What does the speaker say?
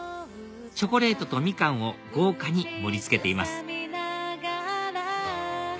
チョコレートとミカンを豪華に盛り付けています